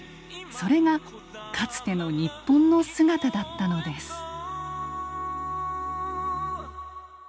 それがかつての日本の姿だったのです。